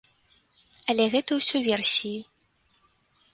Але гэта ўсё версіі.